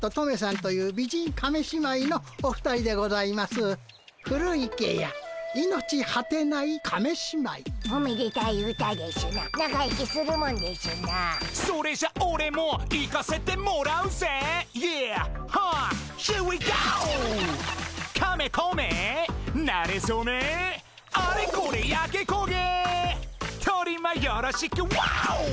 「とりまよろしくワォ」